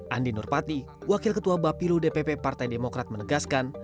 andi nurpati wakil ketua bapilu dpp partai demokrat menegaskan